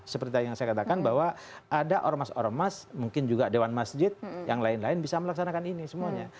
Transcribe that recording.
seperti yang saya katakan bahwa ada ormas ormas mungkin juga dewan masjid yang lain lain bisa melaksanakan ini semuanya